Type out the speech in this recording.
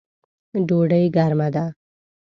ډوډۍ ګرمه ده